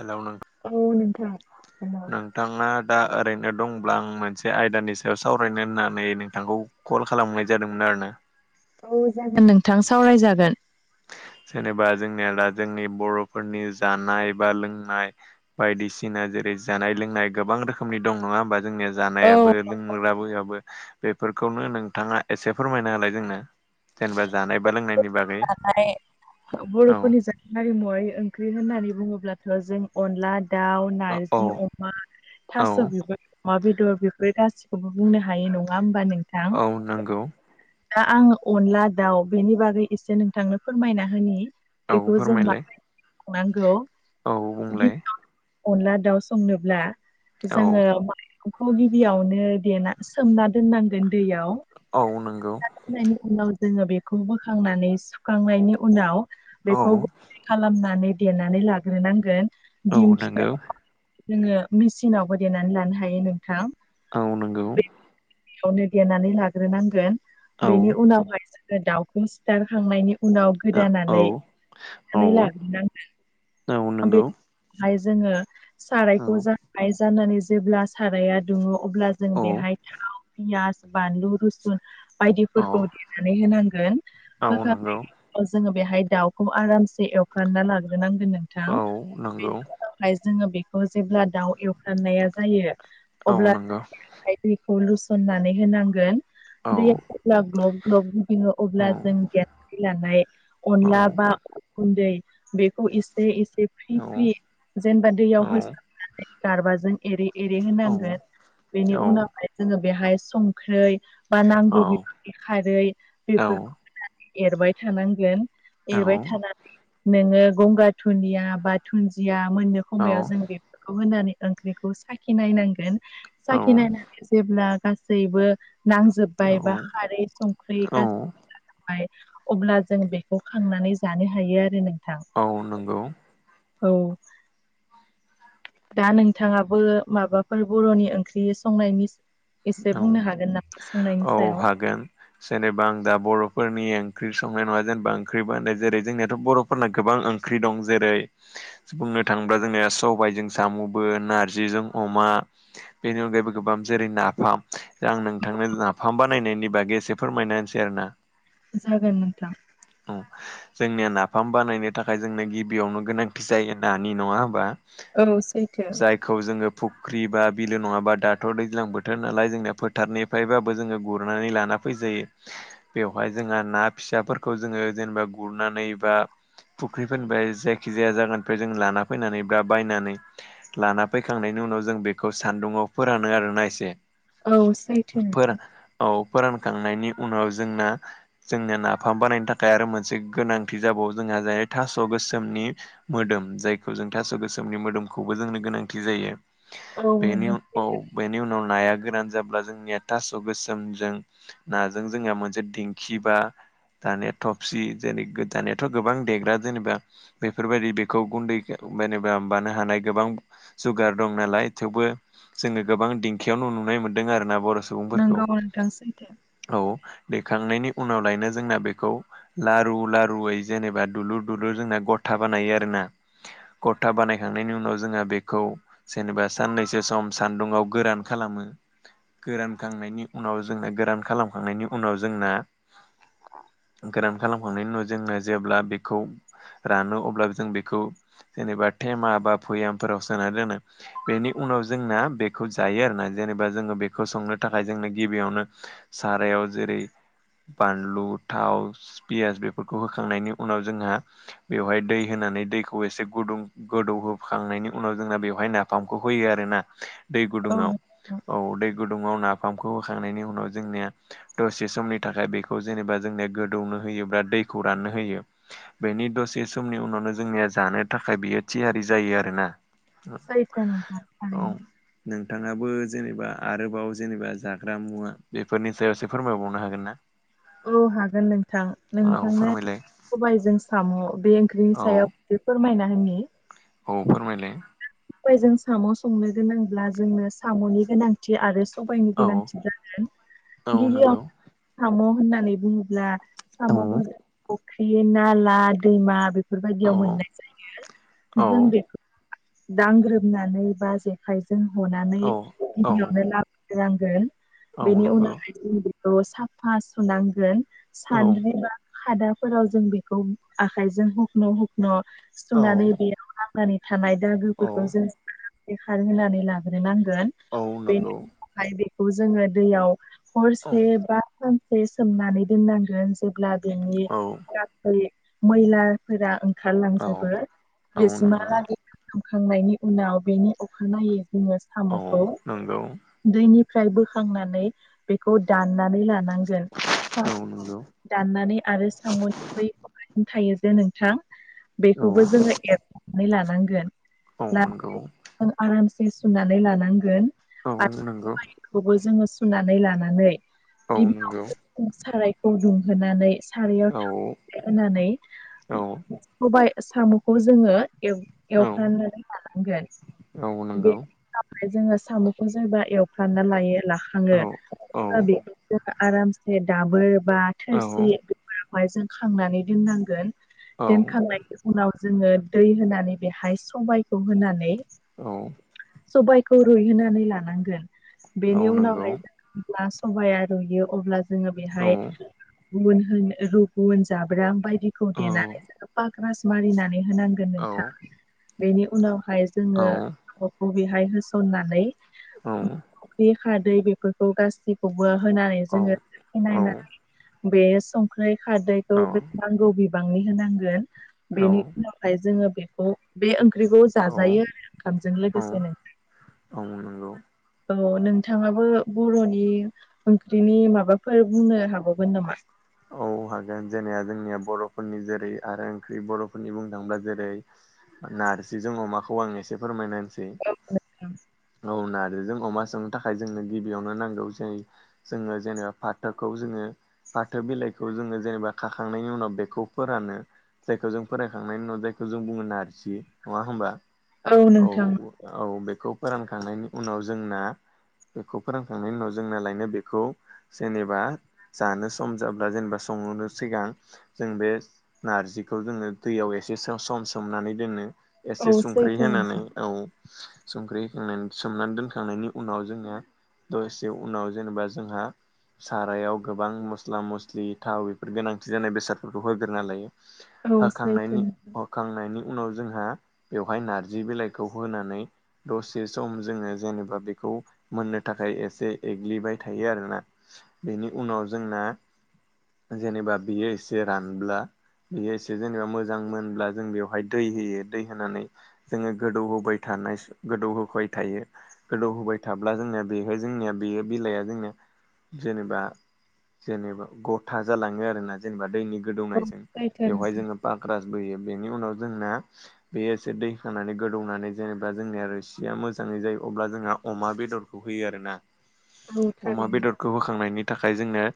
हेल नों औ नोंथां हेल। नोंथाङा दा ओरैनो दंब्ला आं मोनसे आयदानि सायाव सावरायनो होननानै नोंथांखौ। कल खालामनाय जादोंमोन आरो ना। औ जागोन नोंथां सावरायजागोन। जेनेबा जोंनिया दा जोंनि बरफोरनि जानाय बा लोंनाय। बायदिसिना जेरै जानाय लोंनाय गोबां रोखोमनि दं नङा होमबा। जोंनिया औ जानायाबो लोंबोला बायनायाबो। बेफोरखौनो नोंथाङा एसे फोरमायना होलाय जोंनो जेनेबा जानाय बा लोंनायनि बागै। [unintelligible] औ बरफोरनि ज हारिमुवारि ओं ओंख्रि होननानै बुङोब्लाथ जों अनला दाउ औ नार्जि अमा। औ थास बिबार अमा बेदर बेफोर गासिखौबो बुंनो हायो नङा होमबा नोंथां। औ नांगौ दा आङ अनला दाउ बेनि बागै एसे नोंथांनो। फोरमायना होनि औ बेखौ जों फोरमायलाय माबोरै संनांगौ औ बुंलाय गिबियावनो। अनला दाउ संनोब्ला औ जोङो। खौ गिबियावनो देना सोमना दोननांगोन दैयाव। औ नंगौ सखांनायनि उनाव जोङो बेखौ बोखांनानै सुखांनायनि उनाव औ बेखौ। खालामनानै देनानै लाग्रोनांगोन औ नंगौ दिंखियाव। जोङो मेचिनावबो देनानै लानो हायो नोंथां। औ नंगौ बेयावनो देनानै लाग्रोनांगोन औ बेनि उनावहाय जोङो दाउखौ सिथारखांनायनि। उनाव ओ औ गोदानानै औ नानै लाग्रोनांगोन। औ नंगौ बेहाय जोङो औ सारायखौ जानना जानानै जेब्ला साराया दुङो अब्ला जों औ बेहाय। पियास बानलु रुसुन औ बायदिफोरखौ देनानै होनांगोन औ नंगौ होखांनायनि। जोङो बेहाय दाउखौ आरामसे एवफ्रामना लाग्रोनांगोन नोंथां औ बे नंगौ ओमफ्राय जोङो बेखौ जेब्ला दाउ एवफ्रामनाया जायो। औ नंगौ ओमफ्राय दैखौ लुसननानै होनांगोन। औ दैया जेब्ला ग्लब ग्लब गिदिनो औ अब्ला जों गेस लानाय। औ अनला बा गुन्दै बेखौ एसे एसे। फ्रि फ्रि जेनेबा औ दैयाव होस्राबनानै गारबाजों। एरै एरै औ होनांगोन बेनि औ उनावहाय जोङो बेहाय संख्रै। बा नांगौ औ बेफोरनि खारै बेफोरखौ होनानै एरबाय थानांगोन। एरबाय थानानै नोङो गंगार दुन्दिया बा दुुनन्दिया मोननो। समायाव जों बेफोरखौ होनानै ओंख्रिखौ साखि नायनांगोन साखि नायनानै जेब्ला। गासैबो नांजोबबाय बा खारै संख्रि गासैबो। ओमफ्राय अब्ला जों बेखौ खांनानै जानो हायो आरो नोंथां। औ नोंगौ। औ दा नोंथाङाबो माबाफोर बर'नि ओंख्रि संनायनि एसे औ बुंनो हागोन नामा संनायनि औ सायाव? हागोन जेनेबा आं दा बर'फोरनि ओंख्रि संनाय नङा जेनेबा ओंख्रि बानाय जेरै जोंनियाथ' बर' फोरना गोबां ओंख्रि दं। जेरै बुंनो थाङोब्ला जोंनिया सबायजों साम'बो नारजिजों अमा बेनि अनगायैबो गोबां जेरै ना फाम दा आं नोंथांनो नाफाम बानायनायनि बागै एसे फोरमायना होनसै आरो ना। जागोन नोंथां। औ जोंनिया नाफाम बानायनो थाखाय जोंनो गिबियावनो गोनांथि जायो नानि नङा होमबा? औ सैथो। खौ जोङो फुख्रि बा बिलो नङाबा दाथ' दैज्लां बोथोर नालाय जोंनिया फोथारनि फ्रायबाबो जोङो गुरनानै लाना फैजायो। बेवहाय जोंहा ना फिसाफोर खौ जोङो जेनेबा गुरनानै बा फुख्रिफोरनिफाय जायखिजाया जागानिफ्राय जों लाना फैनानै बा बायनानै लाना फैखांनायनि उनाव जों बेखौ सान्दुङाव फोरानो आरोना एसे। औ सैथो फोरा नोंथां। औ फोरानखांनायनि उनाव जोंना जोंना ना फाम बानायनो थाखाय आरो मोनसे गोनांथि जाबावो जोंहा जाय थास' गोसोमनि मोदोम जायखौ जों थास' गोसोमनि मोदोमखौबो जोंनो गोनांथि जायो। औ बेनि नोंथां उन औ सैथो बेनि उनाव नाया गोरान जाब्ला जों ने थास' गोसोमजों नाजों जोंहा मोनसे देंखि बा दानिया थफसि जेरै गो दानियाथ' गोबां देग्रा जेनेबा बेफोरबायदि बेखौ गुन्दै ओ मेनेबा मानो हानाय गोबां जुगार दं नालाय थेवबो जोङो गोबां दिंखियावनो नुनाय मोन्दों आरो ना बर' स नोंगौ नोंथां सैथो। औ दैखांनायनि उनाव दायनो जोंना बे खौ लारु लारुयै जेनेबा दुलुर दुलुर जोंना गथा बानायो आरो ना। गथा बानायखांनायनि उनाव जोंहा बेखौ जेनेबा साननैसो सम सान्दुङाव गोरान खालामो। गोरान खांनायनि उनाव जोंना गोरान खालामखांनायनि उनाव जोंना गोरान खालाम खांनायनि उनाव जोंना जेब्ला बेखौ रानो अब्लाबो जों बेखौ जेनेबा थेमा बा बुयामफोराव सोना दोनो। बेनि उनाव जोंना बेखौ जायो आरो ना। जेनेबा जोङो बेखौ संनो थाखाय जोंनो गिबियावनो सारायाव जेरै बानलु थावस, पियास बेफोरखौ होखांनायनि उनाव जोंहा बेवहाय दै होनानै दैखौ एसे गुदुं गोदौहोखांनायनि उनाव जोंना बेवहाय नाफामखौ होयो आरो ना दै गुदुङाव। औ औ दै गुदुङाव नाफामखौ होखांनायनि उनाव जोंनिया दसे समनि थाखाय बेखौ जेनेबा जोंना गोदौनो होयोब्ला दैखौ राननो होयो। बेनि दसे समनि उनावनो जोंनिया जानो थाखाय बियो थियारि जायो आरो ना। सैथो नोंथां औ थारैनो नोंथाङाबो जेनेबा आरोबाव जेनेबा जाग्रा मुवा बेफोरनि सायाव एसे फोरमायबावनो हागोन ना? औ हागोन नोंथां। आंखौ नोंथांनो फोरमायलाय सबायजों साम' बे ओंख्रिनि औ सायाव बे फोरमायना होनि औ फोरमायलाय फै जों साम' संनो गोनांब्ला जोंनो साम'नि गोनां थि आरो सबायनि औ गोनांथि जागोन औ गिबियाव नंगौ साम' होननानै बुङोब्ला औ साम'खौ जों फुख्रि, नाला, दैमा बेफ औ फोरबायदियाव मोननाय औ जायो। जों बेखो दांग्रोमनानै बा जेखाइजों हनानै औ गिबिनियावनो लाबोग्रोनांगोन। औ बेनि नंगौ उनावहाय जों बेखौ साफा सुनांगोन। औ सानद्रिबा खादाफोराव जों बेखौ आखायजों हुखन' हुखन' औ सुनानै बेयाव नां नानै थानाय औ दागोफोरखौ जों बेखार होनानै लाग्रोनांगोन। औ बेनि नंगौ फाय बेखौ जोङो दैयाव औ हरसे बा सानसे सोमनानै दोननांगोन। जेब्ला बेनि औ दागै मैला फोरा औ ओंखारलांजोबो औ बेसिमहा नंगौ लागै सोमखांनायनि उनाव बेनि अखानायै जोङो औ साम'खौ नंगौ दैनिफ्राय बोखांनानै बेखौ दाननानै लाना नांगोन। औ नंगौ दाननानै आरो साम'नि बै [unintelligible] थायो जे नोंथां औ बेखौबो जोङो एरख'नानै लानांगोन। औ नंगौ। ओं आरामसे सुनानै लानांगोन। औ नंगौ। खौबो जों सुनानै लानानै औ नंगौ गिबियावनो जों सारायखौ दुंहोनानै सारायाव औ थाव [inaudible] होननानै औ सबाइ साम'खौ जोङो एव औ एवफ्रामनानै लानांगोन। बे नंगौ [unintelligible] जोङो साम'खौ जेबा एवफ्रामना लायो औ लाखाङो औ अब्ला बेखौ जों आरामसे दाबोर बा औ थोरसि [unintelligible] हाय जों खांनानै दोननांगोन। दोनखांनायनि उनाव जोङो दै होनानै बेहाय सबायखौ होनानै औ। सबायखौ रुइहोनानै लानांगोन। औ बेनि नंगौ उनावहाय औ जों ब्ला सबाइया रुयो अब्ला जोङो बेहाय मोनहोनो रुगुन जाब्रां बायदिखौ औ औ देनानै जोङो पाग्रास मारिनानै होनांगोन। गोन औ नोंथां, बेनि उनावहाय जोङो अखौ बेहाय होस'ननानै औ। फुख्रि खादै बेफोरखौ गासैखौबो होनानै औ जोङो खि औ नायनानै बे संख्रै खारदैखौ औ बे नांगौ बिबांनि होनांगोन। औ बेनि उनावहाय जोङो बेखौ बे ओं ख्रिखौ औ जाजायो आरो ओंखामजों औ लोगोसे नोंथां। औ नंगौ औ नोंथाङाबो बर'नि ओंख्रिनि माबाफोर बुंनो हाबावगोन नामा? औ हागोन। जेनेया जोंनिया बर'फोरनि जेरै आरो ओंख्रि बर'फोरनि बुंनो थाङोब्ला जेरै नारजिजों अमाखौ आं एसे फोरमायना होनसै। औ नोंथां औ नारजिजों अमा संनो थाखाय जोंनो गिबियावनो नांगौ जेै जोङो जेनेबा फाथोखौ जोङो थो बिलाइखौ जोङो जेनेबा खाखांनायनि उनाव बेखौ फोरानो। जायखौ जों फोरायखांनायनि उनाव जायखौ जों बुंङो नारजि। नङा होमबा? औ नोंथां। औ बेखौ फोरानखांनायनि उनाव जोंना सा बेखौ फोरानखांनायनि उनाव जोंनालायनो बेखौ जेनेबा जानो सम जाब्ला जेनेबा संहोनो सिगां जों बे नारजिखौ जोङो दैयाव एसेसो सम सोमनानै दोनो। एसे औ संख्रि सैथो होनानै। नोंथां औ। संख्रै होखांनानै सोमनानै दोनखांनायनि उनाव जोङो दसे उनाव जेनेबा जोंहा सारायाव गोबां मस् स्ला मस्लि थाव बेफोर गोनांथि जानाय बेसादफोरखौ होग्रोना लायो। औ सैथो होखांनायनि उ नोंथां होखांनायनि उनाव जोंहा बेवहाय नारजि बिलाइखौ होनानै दसे सम जोङो जेनेबा बेखौ मोननो थाखाय एसे एग्लिबाय थायो आरोना। बेनि उनाव जोंना जेनेबा बियो एसे रानब्ला बेयो एसे जेनेबा मोजां मोनब्ला जों बेवहाय दै होयो दै होनानै जोंङो गोदौ होबाय थानाय गोदौ होबाय थायो। गोदौ होबाय थाब्ला जोंनिया बेहाय जोंनिया बेयो बिलाइआ जोंनिया जेनेबा जेनेबा गथा जालांङो आरो ना जेनेबा दैनि औ गोदौनायजों सैथो बेवहाय नोंथां जोंङो पाक्रास बोयो बेनि उनाव जोंना बे एसे दै खानानै गोदौनानै जेनेबा जोंनिया आरो सिया मोजाङै जायो अब्ला जोंहा अमा बेदर खौ होयो आरोना औ अमा थारैनो बेदरखौ होखांनायनि थाखाय जोंनो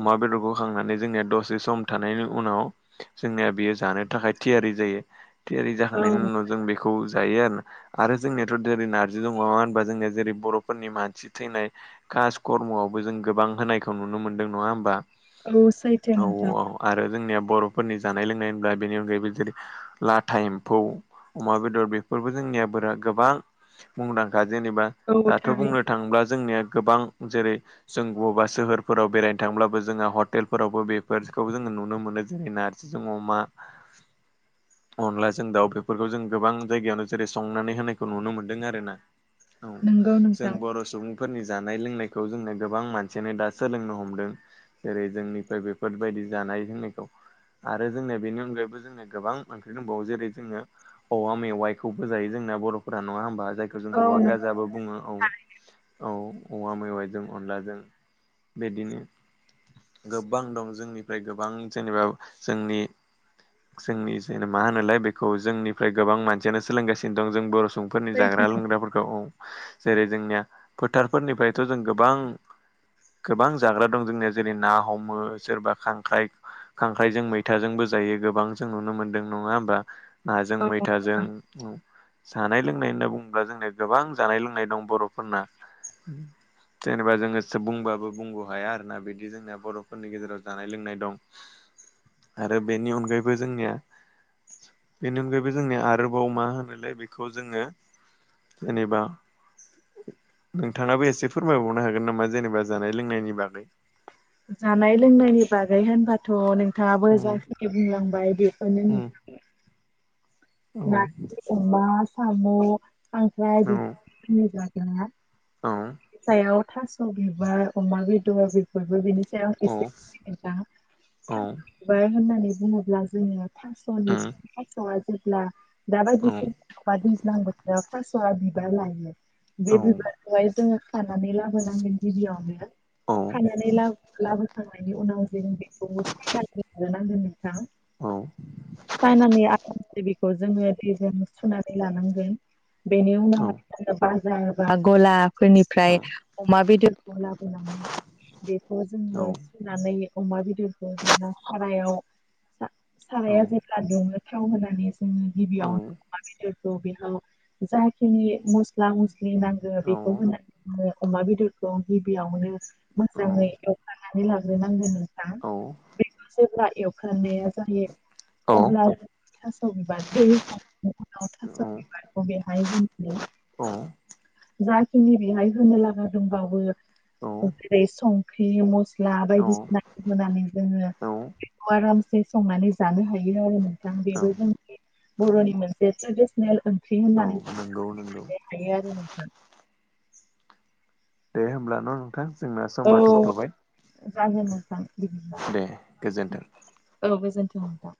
अमा बेदरखौ खांनानै जोंनिया दसे सम थानायनि उनाव जोंनिया बेयो जानो थाखाय थियारि जायो थियारि जाखांनायनि औ उनाव जों बेखौ जायो आरो ना आरो जोंनियाथ' जेरै नारजि दं होनबा जोंनिया जेरै बर'फोरनि मानसि थैनाय कास कर्मआवबो जों गोबां होनायखौ नुनो मोनदों नंङा होमबा सैथो औ नोंथां औ औ आरो जोंनिया बर'फोरनि जानाय लोंनायब्ला बेनि अनगायैबो जेरै लाथा एम्फौ अमा बेदर बेफोरबो जोंनिया बोरा गोबां मुंदांखा जेनेबा औ दाथ' बुंनो थारैनो थांङोब्ला जोंनिया गोबां जेरै जों बबेबा सोहोरफोराव बेरायनो थांब्लाबो जोंङो हटेलफोरावबो बेफोरखौबो जोंङो नुनो मोनो जेरै नारजिजों अमा अनलाजों दाउ बेफोरखौ जों गोबां जायगायावनो जेरै संनानै होनायखौ नुनो मोन्दों आरो ना औ नंगौ जों नोंथां बर' सुबुंफोरनि जानाय लोंनायखौ जोंनो गोबां मानसियानो दा सोलोंनो हमदों। जेरै जोंनिफ्राय बेफोरबायदि जानाय लोंनायखौ आरो जोंनिया बेनि अनगायैबो जोंनिया गोबां ओंख्रि दंबावो जेरै जोंङो औवा मेवाइखौबो जायो जोंना बर'फोरा नंङा होमबा जायखौ जों औ औवा नों गाजाबो बुंङो औ औ औवा मेवाइजों अनलाजों बिदिनो गोबां दं जोंनिफ्राय गोबां जेनेबा जोंनि जोंनि जेन मा होनोलाय बेखौ जोंनिफ्राय गोबां मानसियानो सोलोंगासिनो दं जों बर' सुबुंफोरनि सैथो जाग्रा लोंग्राफोरखौ जेरै जोंनिया फोथारफोरनिफ्रायथ' जों गोबां गोबां जाग्रा दं जोंनिया जेरै ना हमो सोरबा खांख्राइ खांख्राइजों मैथाजोंबो जायो गोबां जों नुनो मोन्दों नंङा होमबा नाजों मैथाजों औ जानाय लोंनाय होनना बुंङोब्ला जोंनिया गोबां जानाय लोंनाय दं बर'फोरना जेनेबा जोंङोसो बुंबाबो बुंग' हाया आरो ना बिदि बिदि जोंनिया बर'फोरनि गेजेराव जानाय लोंनाय दं। आरो बेनि अनगायैबो जोंनिया बेनि अनगायैबो जोंनि आरोबाव मा होनोलाय बेखौ जोंङो। जेनेबा नोंथांङाबो एसे फोरमायबावनो हागोन नामा जेनेबा जानाय लोंनायनि बागै जानाय लोंनायनि बागै होनबाथ' नोंथांङाबो औ जायखिनि बुंलांबाय बेखौनो औ नारजि अमा साम' खांख्राय औ बिदि होन जादों ना औ सायाव थास' बिबार अमा बेदर फोरबो बिनि सायाव आं औ एसे [unintelligible] बुंङोब्ला जोंङो। थास'नि फासस'आ जेब्ला दाबायदिसो बा दैज्लां बोथोराव थास'आ बिबार लायो बे बिबारखौ हाय जोंङो खानानै लाबोनांगोन गिबियावनो खानानै लाबोखांनायनि उनाव जों बेखौबो सोनांगोन। [unintelligible] जोंङो दैजों सुनानै लानांगोन बेनि उनावहाय बाजारबा गलाब फोरनिफ्राय अमा बेदर लाबोनानै बेखौ जोंङो सुनानै अमा बेदर सारायाव सारायाव जेब्ला दुंङो थाव होनानै जोंङो गिबियावनो अमा बेदखौ बेयाव जाखिनि म मस्ला मस्लि नांगौ बेखौ होनानै ङो अमा बेदर गिबियावनो मोजांङै एवखनानै लाग्रोनांगोन नोंथां। जेब्ला एवखनाया जाहायो अब्लाः थास' बिबार दैयनि उनाव थास' बिबारखौ बेहाय जोंनि अ जाखिनि बेहाय होनो लागा दंबावो जेरै स ख्रि मस्ला बायदिसिना होनानै जोंङो। बेखौ आरामसे संनानै जानो हायो आरो। नोंथां बेबो जों बर'नि मोनसे ट्रेडिसनेल ओंख्रि होननाय नंगौ नंगौ जायो आरो ना। दे होनब्ला न' नोंथां जोंना स औ समोमा थुथ'बाय [unintelligible] जागोन मज दि गोजोन्थों औ गोजोनथिथां [unintelligible]